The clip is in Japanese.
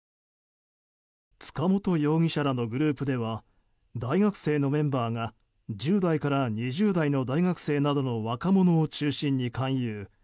塚本容疑者らのグループでは大学生のメンバーが１０代から２０代の大学生などの若者を中心に勧誘。